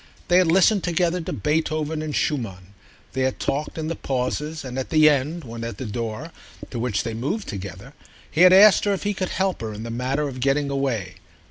They had listened together to Beethoven and Schumann; they had talked in the pauses, and at the end, when at the door, to which they moved together, he had asked her if he could help her in the matter of getting away.